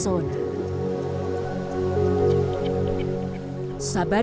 sabana bekol menjadi lanskap paling ikonis di taman nasional baluran